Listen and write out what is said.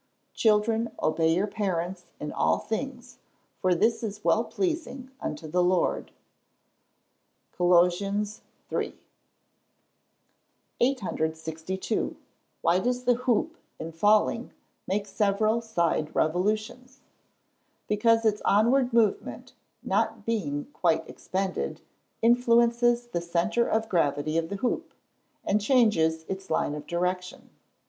[Verse: "Children obey your parents in all things: for this is well pleasing unto the Lord." COLOSSIANS III.] 862. Why does the hoop, in falling, make several side revolutions? Because its onward movement, not being quite expended, influences the centre of gravity of the hoop, and changes its line of direction.